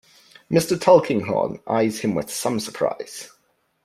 Mr. Tulkinghorn eyes him with some surprise.